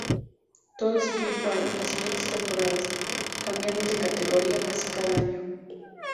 Todo siguió igual las siguientes temporadas, cambiando de categoría casi cada año.